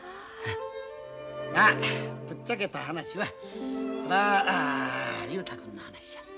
まあぶっちゃけた話はこれは雄太君の話や。